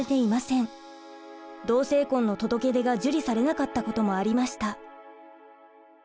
同性婚の届け出が受理されなかったこともありました。